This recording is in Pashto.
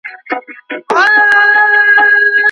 وترنري پوهنځۍ له مشورې پرته نه اعلانیږي.